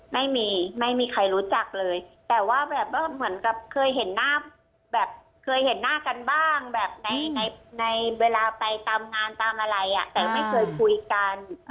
ไม่มีใครรู้จักเลยแต่ว่าแบบว่าเหมือนกับเคยเห็นหน้าแบบเคยเห็นหน้ากันบ้างแบบในเวลาไปตามงานตามอะไรอ่ะแต่ไม่เคยคุยกัน